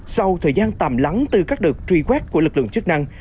sau thời gian tạm lắng từ các đợt truy quét của lực lượng chức năng